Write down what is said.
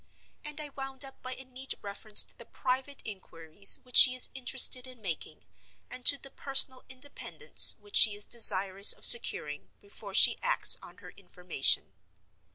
And I wound up by a neat reference to the private inquiries which she is interested in making, and to the personal independence which she is desirous of securing before she acts on her information.